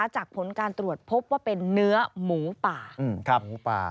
จากผลการตรวจพบว่าเป็นเนื้อหมูป่า